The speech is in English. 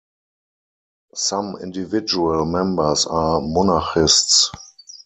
Some individual members are monarchists.